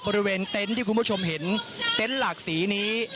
บริเวณเต็นท์ที่คุณผู้ชมเห็นเต็นท์หลักสีนี้